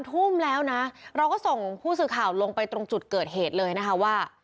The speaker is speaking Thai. ทุ่มแล้วนะเราก็ส่งผู้สื่อข่าวลงไปตรงจุดเกิดเหตุเลยนะคะว่า